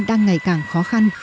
đang ngày càng khó khăn